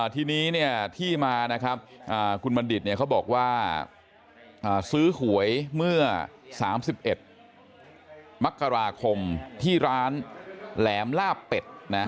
ทีนี้ที่มานะครับคุณบัณฑิตเขาบอกว่าซื้อหวยเมื่อ๓๑มกราคมที่ร้านแหลมลาบเป็ด